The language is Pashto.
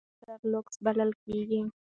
دا موټر لوکس بلل کیږي.